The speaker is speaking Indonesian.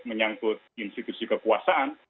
menyangkut institusi kekuasaan